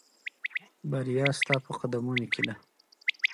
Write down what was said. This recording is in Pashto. بریا ستا په قدمونو کې ده.